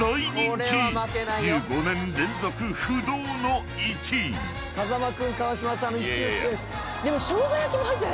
［１５年連続不動の１位］でも。